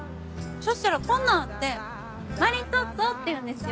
そしたらこんなんあってマリトッツォっていうんですよ。